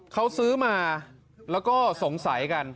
เขาซื้อมาแล้วก็สงสัยกัน